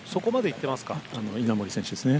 稲森選手ですね。